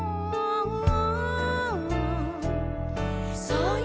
「そうよ